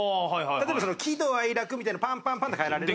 例えば、喜怒哀楽みたいなのパンパンパンとかえなきゃ。